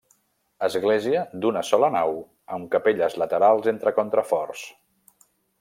Església d'una sola nau amb capelles laterals entre contraforts.